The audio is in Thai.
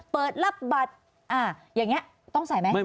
เปิดรับบัตรอย่างนี้ต้องใส่ไหม